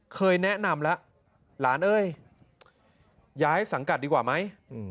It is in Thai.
เคยแนะนำแล้วหลานเอ้ยย้ายสังกัดดีกว่าไหม